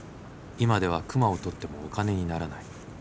今では熊を獲ってもお金にならない。